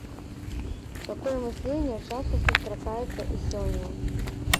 Такое мысленне часта сустракаецца і сёння.